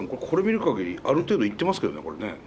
これ見る限りある程度いってますけどね